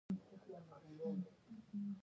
د جرمنیانو په شک ډزې کولې، فرید په ډزو ولګېد.